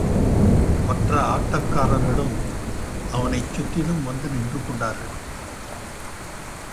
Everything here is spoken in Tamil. மற்ற ஆட்டக் காரர்களும் அவனைச் சுற்றிலும் வந்து நின்று கொண்டார்கள்.